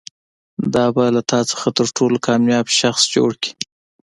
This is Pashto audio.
دا به له تا څخه تر ټولو کامیاب شخص جوړ کړي.